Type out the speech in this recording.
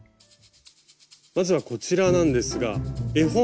まずはこちらなんですが絵本。